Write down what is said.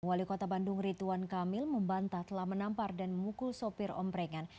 wali kota bandung rituan kamil membantah telah menampar dan memukul sopir omprengan